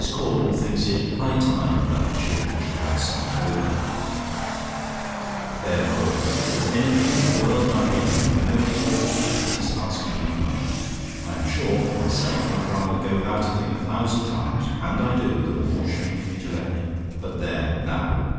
CAUDLE THINKS IT "HIGH TIME" THAT THE CHILDREN SHOULD HAVE SUMMER CLOTHING "There, Caudle! If there's anything in the world I hate and you know it, Caudle it is asking you for money. I am sure for myself, I'd rather go without a thing a thousand times, and I do the more shame of you to let me, but there, now!